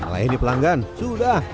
lainnya pelanggan sudah